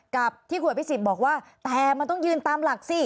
กับที่ข่วยพฤทธิ์บอกว่าแทนมันต้องยืนตามหลักสิ